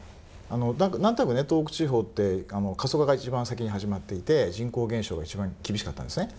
なんとなくね東北地方って過疎化が一番先に始まっていて人口減少が一番厳しかったんです。